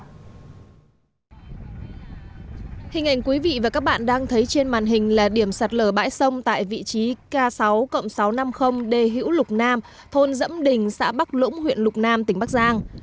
hình ảnh quý vị và các bạn đang thấy trên màn hình là điểm sạt lở bãi sông tại vị trí k sáu cộng sáu sáu trăm năm mươi đê hữu lục nam thôn dẫm đình xã bắc lũng huyện lục nam tỉnh bắc giang